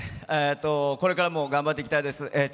これからも頑張っていきたいです。